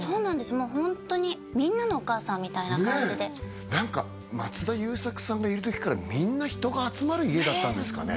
もうホントにみんなのお母さんみたいな感じで何か松田優作さんがいる時からみんな人が集まる家だったんですかね